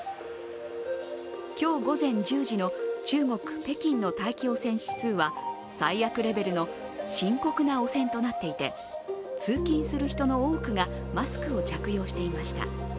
今日午前１０時の中国北京の大気汚染指数は最悪レベルの深刻な汚染となっていて、通勤する人の多くがマスクを着用していました。